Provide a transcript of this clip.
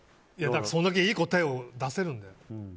そんだけいい答えを出せるんだよ。